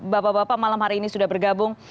bapak bapak malam hari ini sudah bergabung